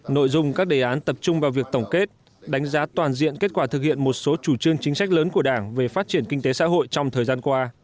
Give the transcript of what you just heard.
nội dung các đề án tập trung vào việc tổng kết đánh giá toàn diện kết quả thực hiện một số chủ trương chính sách lớn của đảng về phát triển kinh tế xã hội trong thời gian qua